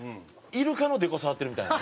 イルカのでこ触ってるみたいな。